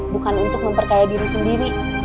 bukan untuk memperkaya diri sendiri